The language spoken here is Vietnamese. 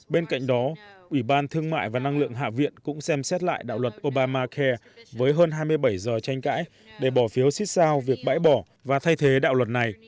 bên cạnh đó ủy ban thương mại và năng lượng hạ viện cũng xem xét lại đạo luật obamacare với hơn hai mươi bảy giờ tranh cãi để bỏ phiếu xích sao việc bãi bỏ và thay thế đạo luật này